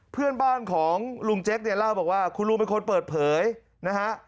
เพื่อนบ้านของลุงเจ๊กเนี่ยเล่าบอกว่าคุณลุงเป็นคนเปิดเผยนะฮะ